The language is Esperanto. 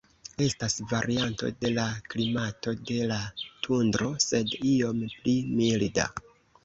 Estas varianto de la klimato de la tundro, sed iom pli milda.